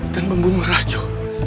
dan membunuh raju